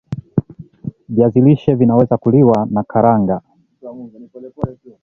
viazi lishe Vinaweza kuliwa nakaranga